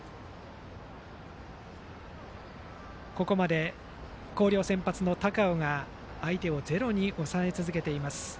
ここまで広陵の先発、高尾が相手をゼロに抑え続けています。